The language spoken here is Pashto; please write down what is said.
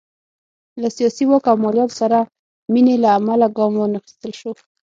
له سیاسي واک او مالیاتو سره مینې له امله ګام وانخیستل شو.